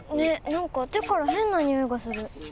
なんかてからへんなにおいがする。